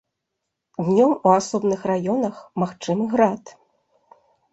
Днём у асобных раёнах магчымы град.